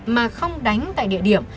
mà không đánh tại địa điểm